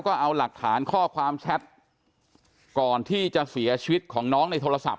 ก็เอาหลักฐานข้อความแชทก่อนที่จะเสียชีวิตของน้องในโทรศัพ